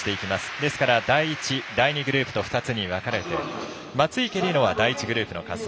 ですから第１、第２グループと２つに分かれて松生理乃は第１グループの滑走。